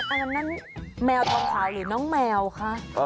อันนั้นแมวทองขาวหรือน้องแมวคะ